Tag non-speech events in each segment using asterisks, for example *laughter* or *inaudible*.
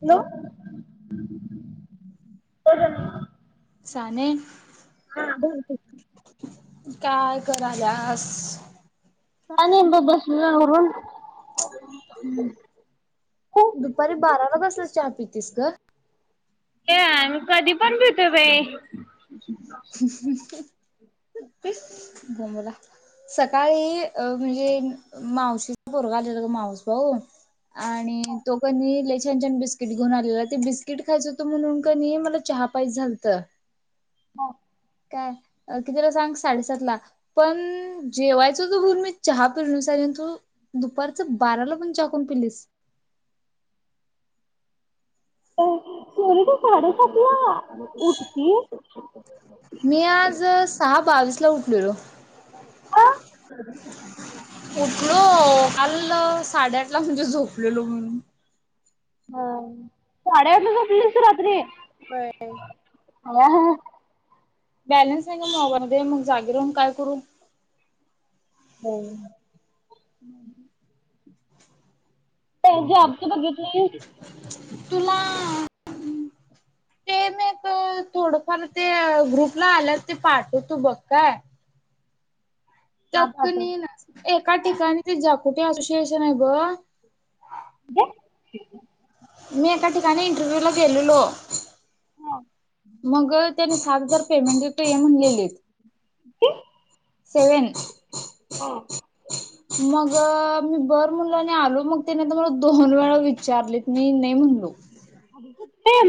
Hello हे ह साने हा बोल काय कराल्यास *unintelligible* तू? हम्म दुपारी बाराला बसल्या चहापीतीस ग या मी कधी पण पितोय बाई *inaudible* सकाळी म्हणजे मावशीचा पोरग आलेला ग मावस भाऊ आणि तो की नाय छान छान बिस्किट घेऊन आलेला ते बिस्किट खायचं होतं म्हणून का नाही मला चहा पायच झालत हा काय कितीला सांग साडेसात ला पण जेवायच त भूर म चहा पिरण्यासारन तू दुपारच बाराला पण चा करून पिलीस सर तर साडेसात ला उठतीय मी आज सहा बावीस ला उठललो आ उठलो काल साडेआठ ला म्हणजे झोपलेलो म्हणून हा साडे आठ ला झोपलेलीस रात्री हा हा बॅलन्स नाही का मगमध्ये मग जागे राहून काय करू होम् हम् *inaudible* *unintelligible* तुला *inaudible* ते मी एक थोडफार ते ग्रुपला आल्या ते पाठवतो बघ काय हा त्यात का पाठव नाय एका ठिकाणी ते जप कुठे असोसिएशन आहे ब *inaudible* मी एका ठिकाणी इंटरव्ह्यू ला गेलोलो हा मग त्यानी सात हजार पेमेंट देतोय या म्हणलिलेलीत *unintelligible* सेवन मग मी बर म्हणलं आणि आलो मग त्या मला दोन वेळा विचारली मी नाही म्हण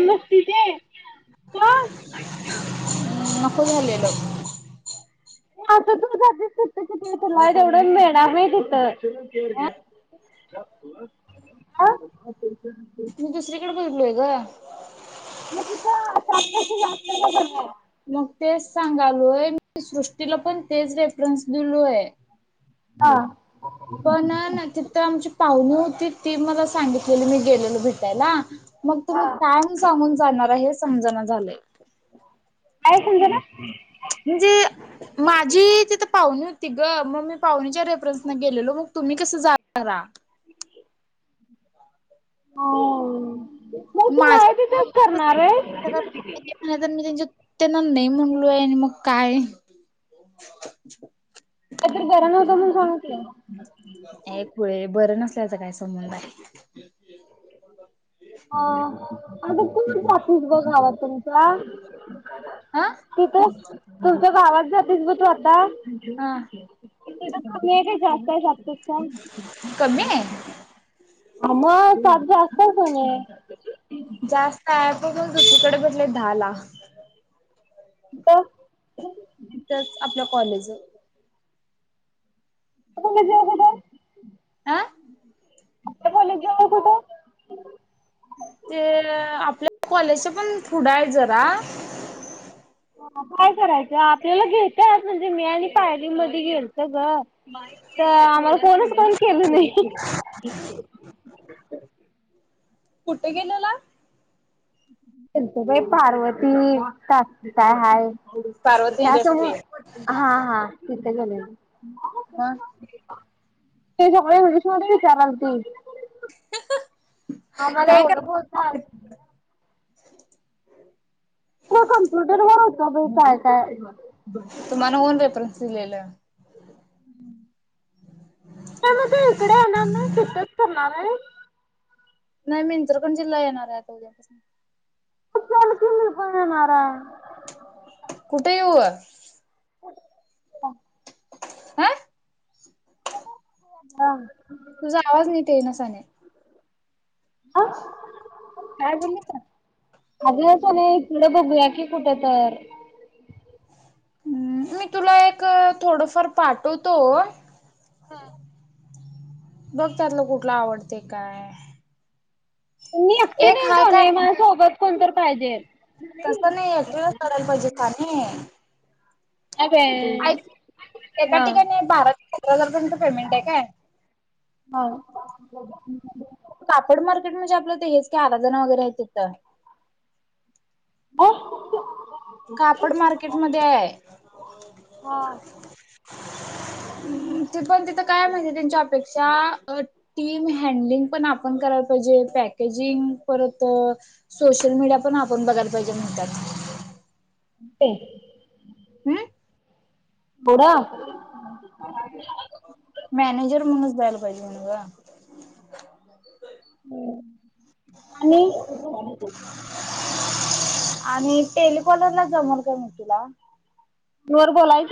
मस्ती चे *inaudible* झालेलं आता तू त तुला तेवढ मिळणार नाही तिथ मी दुसरीकडे बघितलोय ग मग तिथं सात पेक्षा जास्त आहे का कमी आहे? मग तेच सांगालोय सृष्टीला पण तेच रेफरन्स दिलोय हा पण तिथं आमची पाहुणे हो त ती मला सांगितलेली मी गेलेल भेटायला मग तुम्ही हा काय सांगून जाणार हे समज झालंय कायसज ना म्हणजे माझी तिथं पाहुणी होती ग मग मी पाहुणीच्या रेफरन्सना गेलेलो मग तुम्ही कसं जानारा *inaudible* हो म तू माझ्या माहितीचंच करणार आहे तर मी त्यांच्या त्यांना नाही म्हणलोय आणि मग काय इधर गरम होत म स एक वेळे बरं ना त्याचा काय संबंध आहे हा आणिता जातेस ग गाव तुम्ही का हा तिथं तुमच्या *unintelligible* हा म जास्त आहेगत कमि आमा जास्त आहे तकडे म्हटले दहा ला तथच आपलं कॉलेज जड अ *inaudible* ते आपल्या कॉलेजच्या पण पुुढं आहे जरा काय करायचं आपल्याला घेेत म्हणजे मी आणि पायरी मध्ये गेलत ग आम्हाला कोणच कोण केलं नाही कुठे गेलेला त बाई पार्वती त काय हाय पार्वती त्यासो इंडस्ट्रीयल हा हा ते झाले *inaudible* मग ते सगळेसचारल ते आम्हाला काय एवढं करा बोलता आलं नसल ते कम्प्युटर वर होत काय काय तुम्हाला ओन रेफरन्स दिलेलं नाही मग तू इकडे येणार ना तिथच करणार आहे नाही मी इंद्रकं जिल्हा येणार आहे आता उद्यापासून चल की मी पण येणार हाय कुठे येऊ हा हा तुझा आवाज नीट येईना साने आ काय बोलली का. पुढं बघूया की कुठं तर हम् मी तुला एक थोडंफार पाठवतो. हो बघ त्यातलं कुठला आवडते काय. मी एकटी एक नाही हाय सोने काय माझ्या सोबत, कोण तर पाहिजे. तसं नाही करायला पाहिजे कानाय नाही बाई एक एका हा ठिकाणी बारा *inaudible* पेमेंट हाय काय, हा कापड के म्हणजे आपलं ते हेच का आराण वगैरे आहेत तीत. हो कापड मार्केट मध्ये आहे हा ते पण तिथ काय माहितीय त्यांच्या अपेक्षा टीम हँडलिंग पण आपण करायला पाहिजे, पॅकेजिंग, परत सोशल मीडिया पण आपण बघाला पाहिजे म्हणतात ते हम बुडा मॅनेजर म्हणूनच जायला पाहिजे न्हव हम् आणि आणि टेलिकॉलर ला जमल का म तुला वर बोलायच.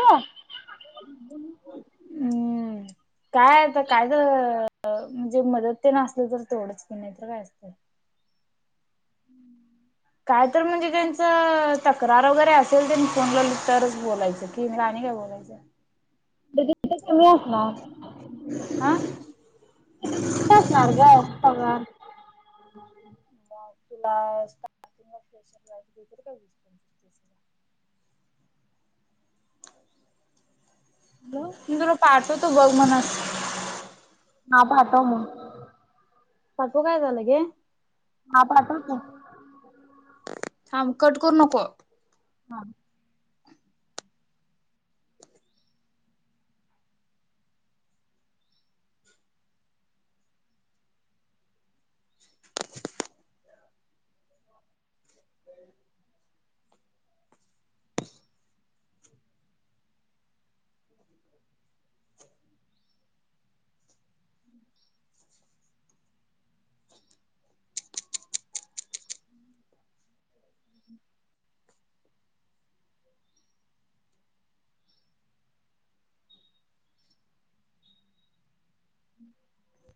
हम्म काय आता काय तर म्हणजे मदत ते असल तर तेवढंच की नाही तर काय असत. काय तर म्हणजे त्यांचं तक्रार वगैरे असेल त्याची फोनला तरच बोलायचं की आणि काय बोलायचं. *inaudible* तिथ कमी असणार हा तिथं कमी असणार ग पगार *inaudible* *inaudible* म तुला पाठवतो बघ. *unintelligible* *unintelligible* पाठवू काय ग लगे हा पाठव तू थांब कट करू नको. हा *inaudible* *inaudible*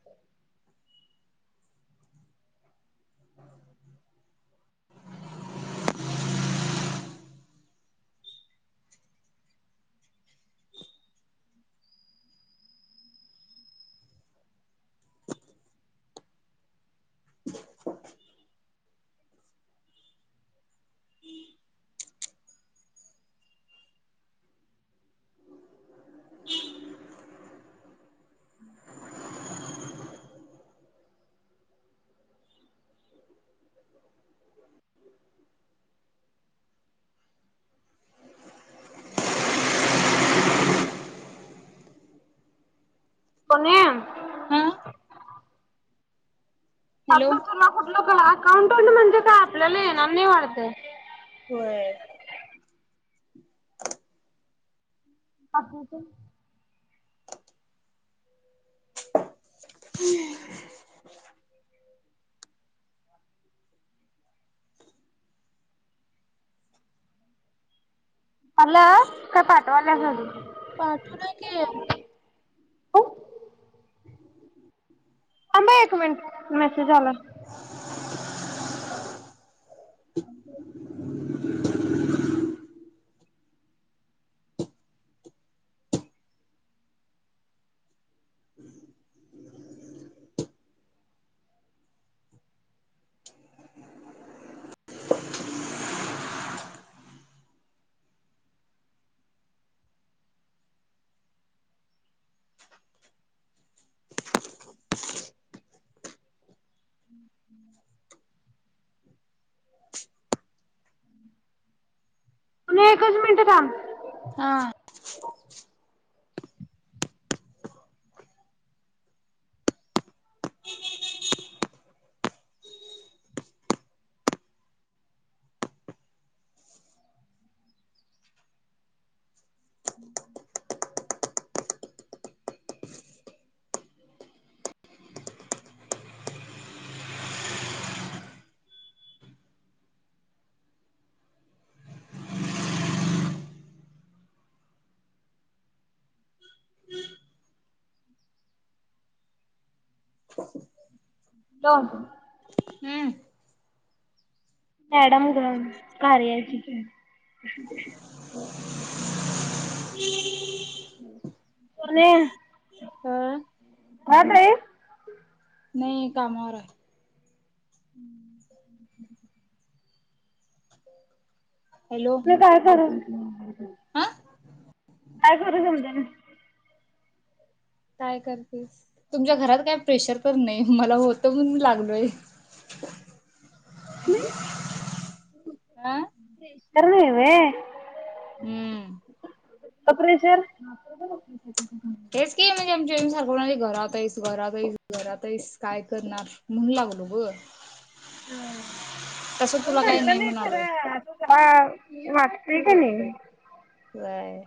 *inaudible* की *inaudible* *unintelligible* पण्या हा हॅलो *unintelligible* तुला कुठलं अकाउंट म्हणजे काय आपल्याला येणार नाही वाटते होय *unintelligible* अती चे ह *inaudible* ह आला काय पाठव पाठवलय की *inaudible* थांब एक मिनट झालं *inaudible* *inaudible* हू हम्म एकच मिनट थांब हा *inaudible* *inaudible* ओ *unintelligible* तो हम्म मॅडम कार्याची केली आहे *inaudible* अ ह पाण्यं नाही कामावर हाय *inaudible* हॅलो तेे काय कराल हा काय करू समजं ना काय करतेस तुमच्या घरात काय प्रेशर पण न्हाय मला होत म्हण लागलोय *inaudible* म्या आ कर ना रे हम्म कपडेचर हेच की म्हणजे आमच्या हे येउन सारखं कोणा घरात आहेस घरात आहेईस घरात आहेस काय करणार म्हणून लागल हा तसं कोण तुला काही म्हणलं नाही म्हणालोय. खरं आं वाटतय का नाय व्हय.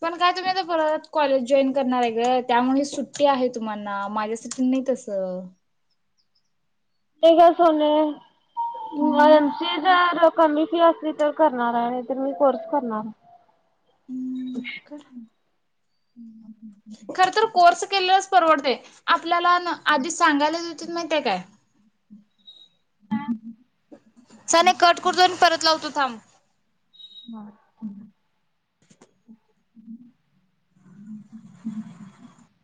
पण काय तुम्ही आता परत कॉलेज जॉईन करणारय गं त्यामुळे सुट्टी आहे तुम्हांना माझ्यासाठी नाही तसं. नाही गं सोने. हम्म मसी जर कमी फी असली तर करणार आहे तर मी कोर्स करणार. *inaudible* हम्म कर. हम्म. खर तर कोर्स केलेलाच परवडतय. आप ल्याला ना आधीच सांगायलाच होती माहितीय काय? साने कट करतो आणि परत लावतो थांब. हा